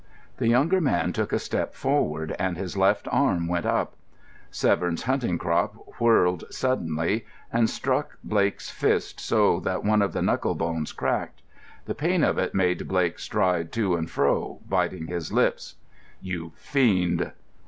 The younger man took a step forward, and his left arm went up. Severn's hunting crop whirled suddenly, and struck Blake's fist so that one of the knucklebones cracked. The pain of it made Blake stride to and fro, biting his lips. "You fiend!"